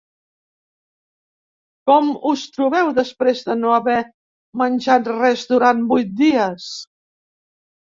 Com us trobeu després de no haver menjat res durant vuit dies?